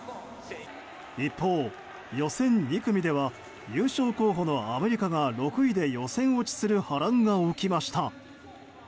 一方、予選２組では優勝候補のアメリカが６位で予選落ちする波乱が起きました。